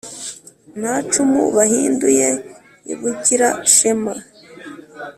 Nta cumu bahinduye i Bugira-shema